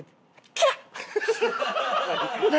「キャッ！何？